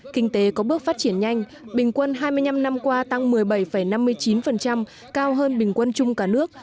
kinh tế có bước phát triển nhanh bình quân hai mươi năm năm qua tăng một mươi bảy năm mươi chín cao hơn bình quân chung cả nước